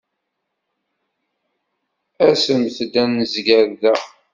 Asemt-d ad nezger da.